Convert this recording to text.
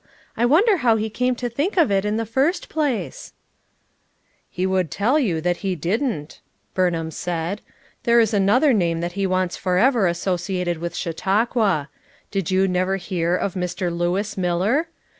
I wonder how he camo to think of it in the first placet" "He would tell you that he didn't," Burnham said. "There is another name that lie wants forever associated with Chautauqua. Did you never hear of Mr. Lewis Miller?